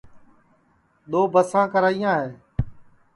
دؔو بساں کریاں ہے